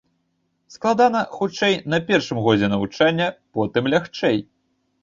Складана, хутчэй, на першым годзе навучання, потым лягчэй.